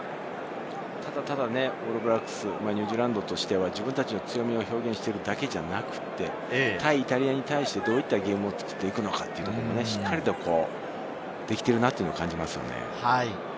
ただ、オールブラックス・ニュージーランドとしては、自分たちの強みを表現しているだけではなくて、イタリアに対して、どういうゲームを作っていくのか、しっかりできているのを感じますね。